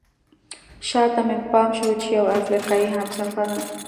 شاته مې پام شو چې یوه افریقایي همسفره.